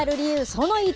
その１。